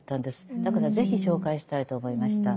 だから是非紹介したいと思いました。